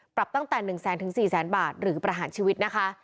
ปรับตั้งแต่๑แสนถึง๔แสนบาทหรือประหารชีวิตนะคะ